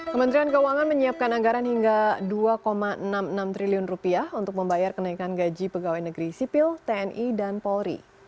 kementerian keuangan menyiapkan anggaran hingga rp dua enam puluh enam triliun untuk membayar kenaikan gaji pegawai negeri sipil tni dan polri